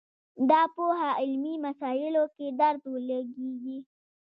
دا پوهه علمي مسایلو کې درد ولګېږي